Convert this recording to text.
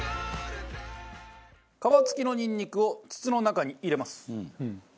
皮付きのニンニクを筒の中に入れます。